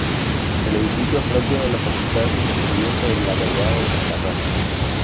El edificio propio de la Facultad se construyó sobre la vaguada de Cantarranas.